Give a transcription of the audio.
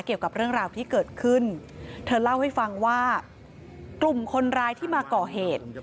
เกี่ยวกับเรื่องราวที่เกิดขึ้นเธอเล่าให้ฟังว่ากลุ่มคนร้ายที่มาก่อเหตุ